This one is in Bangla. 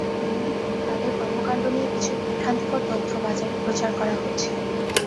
অন্যদিকে, তাদের কর্মকাণ্ড নিয়ে কিছু বিভ্রান্তিকর তথ্য বাজারে প্রচার করা হচ্ছে।